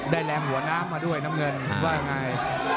แรงหัวน้ำมาด้วยน้ำเงินว่าไง